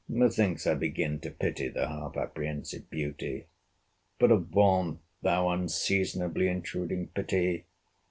Methinks I begin to pity the half apprehensive beauty!—But avaunt, thou unseasonably intruding pity!